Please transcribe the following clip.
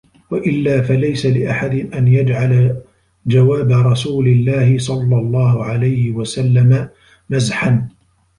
وَإِلَّا فَلَيْسَ لِأَحَدٍ أَنْ يَجْعَلَ جَوَابَ رَسُولِ اللَّهِ صَلَّى اللَّهُ عَلَيْهِ وَسَلَّمَ مَزْحًا